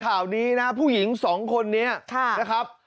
ข่าวนี้นะผู้หญิงสองคนนี้นะครับ